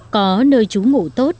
có nơi chúng ta có thể tìm ra